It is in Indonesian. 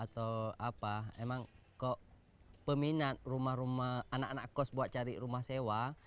memang kok peminat rumah rumah anak anak kos buat cari rumah sewa